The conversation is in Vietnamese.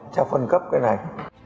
cho phân cấp cái này